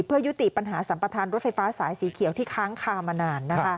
เพื่อยุติปัญหาสัมปทานรถไฟฟ้าสายสีเขียวที่ค้างคามานาน